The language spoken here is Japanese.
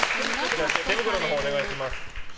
手袋のほうお願いします。